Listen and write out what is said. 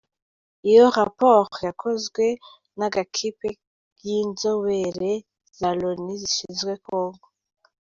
Iyo raport yakozwe n’agakipe y’inzobere za Loni zishinzwe Congo.